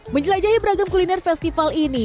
menjelajahi beragam kuliner festival ini